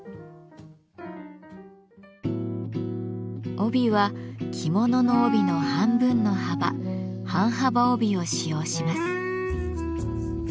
帯は着物の帯の半分の幅「半幅帯」を使用します。